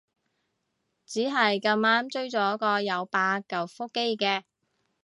只係咁啱追咗個有八舊腹肌嘅